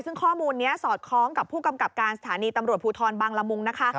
ซึ่งข้อมูลนี้สอดคล้องกับผู้กำกับการสถานีตำรวจภูทรบังละมุงนะคะ